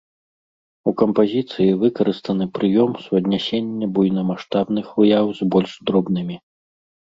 У кампазіцыі выкарыстаны прыём суаднясення буйнамаштабных выяў з больш дробнымі.